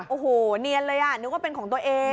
โอ้โหเนียนเลยอ่ะนึกว่าเป็นของตัวเอง